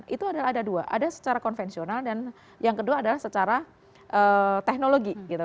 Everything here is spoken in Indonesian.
itu ada dua ada secara konvensional dan yang kedua adalah secara teknologi gitu